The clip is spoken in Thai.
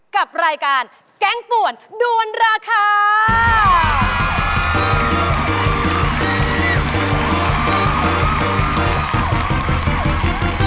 กับรายการแกงป่วนด้วนราคา